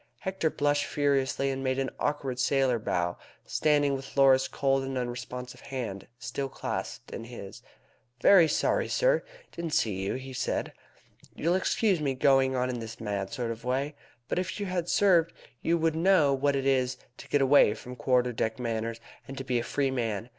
Hector blushed furiously, and made an awkward sailor bow, standing with Laura's cold and unresponsive hand still clasped in his. "Very sorry, sir didn't see you," he said. "You'll excuse my going on in this mad sort of way, but if you had served you would know what it is to get away from quarter deck manners, and to be a free man.